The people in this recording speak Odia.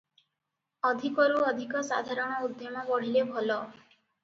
ଅଧିକରୁ ଅଧିକ ସାଧାରଣ ଉଦ୍ୟମ ବଢ଼ିଲେ ଭଲ ।